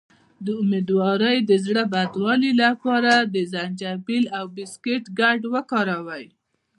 د امیدوارۍ د زړه بدوالي لپاره د زنجبیل او بسکټ ګډول وکاروئ